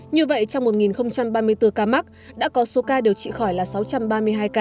như vậy trong một ba mươi bốn ca mắc đã có số ca điều trị khỏi là sáu trăm ba mươi hai ca